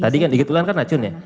tadi kan digigit ular kan racun ya